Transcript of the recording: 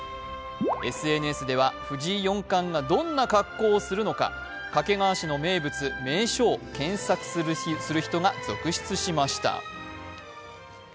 ＳＮＳでは、藤井四冠がどんな格好をするのか、掛川市の名物、名所を検索する人が続出しました。